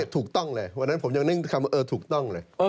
ถูกต้องเลยวันนั้นผมยังนึกคำว่าเออถูกต้องเลย